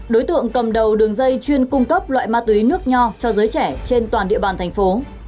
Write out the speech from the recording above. đối tượng cầm đầu đường dây chuyên cung cấp loại ma túy nước nho cho giới trẻ trên toàn địa bàn thành phố